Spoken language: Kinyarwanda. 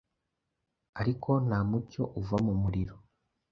Ariko nta mucyo uva mu muriro.